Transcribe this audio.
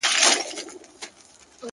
پرېولئ – په دې ترخو اوبو مو ځان مبارک؛